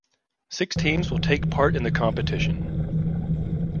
Six teams will take part in the competition.